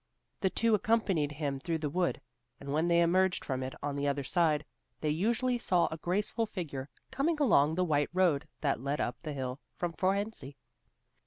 The two accompanied him through the wood, and when they emerged from it on the other side, they usually saw a graceful figure coming along the white road that led up the hill from Fohrensee.